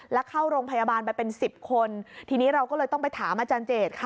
แล้วเข้าโรงพยาบาลไปเป็นสิบคนทีนี้เราก็เลยต้องไปถามอาจารย์เจตค่ะ